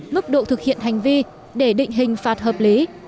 mức độ thực hiện hành vi để định hình phạt hợp lý